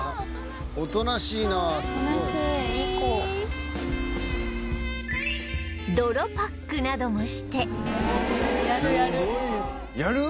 「おとなしいなすごい」泥パックなどもしてやる？